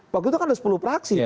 waktu itu kan ada sepuluh praksi